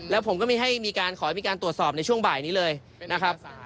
แล้วผมก็ไม่ให้มีการขอให้มีการตรวจสอบในช่วงบ่ายนี้เลยนะครับ